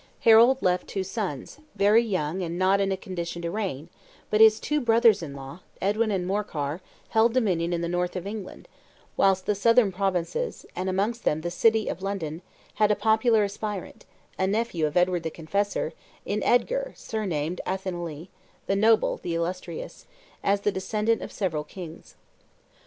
Harold left two sons, very young and not in a condition to reign; but his two brothers in law, Edwin and Morkar, held dominion in the north of England, whilst the southern provinces, and amongst them the city of London, had a popular aspirant, a nephew of Edward the Confessor, in Edgar surnamed Atheliny (the noble, the illustrious), as the descendant of several kings.